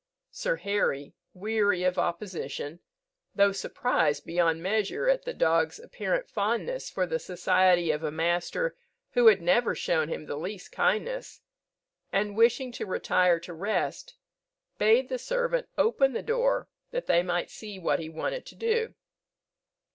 Sir Harry, weary of opposition, though surprised beyond measure at the dog's apparent fondness for the society of a master who had never shown him the least kindness, and wishing to retire to rest, bade the servant open the door, that they might see what he wanted to do.